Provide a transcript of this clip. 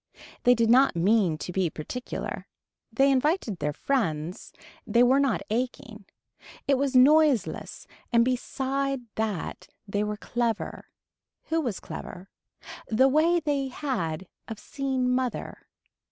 They did not mean to be particular. They invited their friends. They were not aching. It was noiseless and beside that they were clever. Who was clever. The way they had of seeing mother.